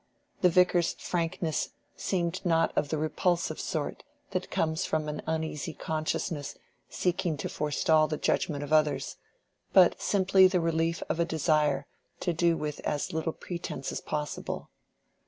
The Vicar's frankness seemed not of the repulsive sort that comes from an uneasy consciousness seeking to forestall the judgment of others, but simply the relief of a desire to do with as little pretence as possible.